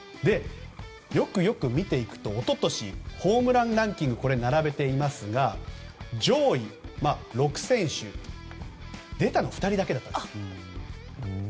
よくよく見ていくと、一昨年ホームランランキング並べていますが上位６選手、出たのは２人だけだったんです。